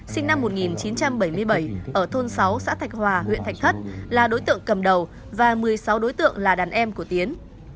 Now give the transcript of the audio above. sinh năm một nghìn chín trăm bảy mươi bảy ở thôn sáu xã thạch hòa huyện thạch thất là đối tượng cầm đầu và một mươi sáu đối tượng là đàn em của tiến